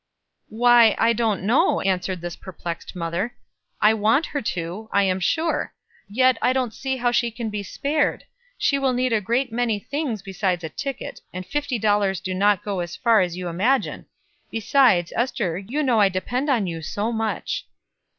"Why, I don't know," answered this perplexed mother. "I want her to, I am sure; yet I don't see how she can be spared. She will need a great many things besides a ticket, and fifty dollars do not go as far as you imagine; besides, Ester, you know I depend on you so much."